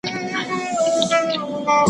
هر څوک د خپل عمل ځواب ویونکی دی.